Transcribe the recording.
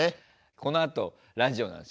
このあとラジオなんですよ